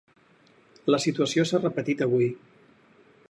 La situació s’ha repetit avui.